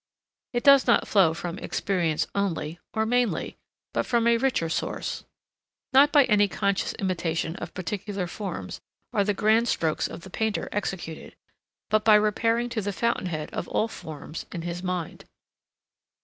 It does not flow from experience only or mainly, but from a richer source. Not by any conscious imitation of particular forms are the grand strokes of the painter executed, but by repairing to the fountain head of all forms in his mind.